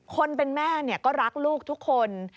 คนเป็นแม่ก็รักลูกทุกคน